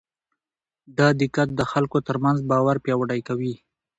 دا دقت د خلکو ترمنځ باور پیاوړی کوي.